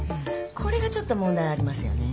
これがちょっと問題ありますよね。